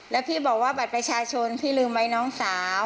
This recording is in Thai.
แล้วพี่บอกว่าบัตรประชาชนพี่ลืมไว้น้องสาว